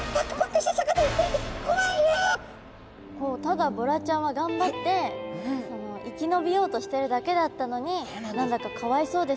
ただボラちゃんはがんばって生き延びようとしてるだけだったのに何だかかわいそうですよね